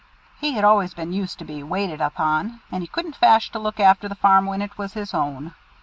He had always been used to be waited upon, and he couldn't fash to look after the farm when it was his own.